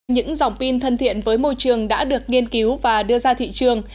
những dòng pin thân thiện với môi trường đã được nghiên cứu và đưa ra thị trường